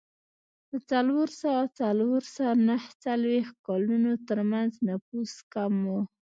د څلور سوه او څلور سوه نهه څلوېښت کلونو ترمنځ نفوس کم و.